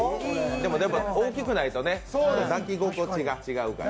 でもね、大きくないとね、抱き心地が違うから。